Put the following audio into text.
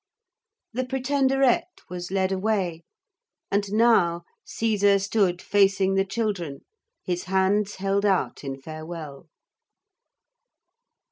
The Pretenderette was led away. And now Caesar stood facing the children, his hands held out in farewell.